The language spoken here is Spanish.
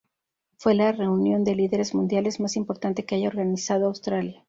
Fue la reunión de líderes mundiales más importante que haya organizado Australia.